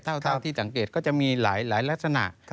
เท่าที่สังเกตก็จะมีหลายลักษณะ